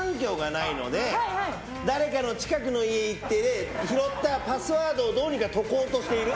誰かの近くの家行って拾ったパスワードをどうにか解こうとしている。